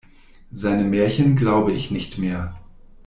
Seine Märchen glaube ich nicht mehr.